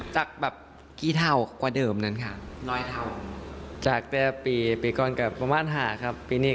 ใช่จ้ะ